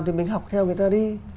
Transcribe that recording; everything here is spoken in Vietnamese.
thì mình học theo người ta đi